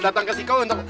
datang ke siko untuk